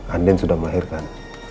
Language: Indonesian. andin sudah melahirkan